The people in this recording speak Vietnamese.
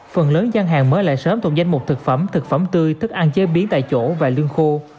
phần lớn gian hàng mới lại sớm thuộc danh mục thực phẩm thực phẩm tươi thức ăn chế biến tại chỗ và lương khô